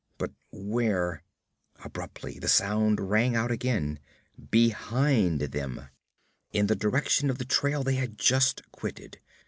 But where ' Abruptly the sound rang out again behind them; in the direction of the trail they had just quitted.